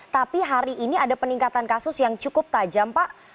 tapi hari ini ada peningkatan kasus yang cukup tajam pak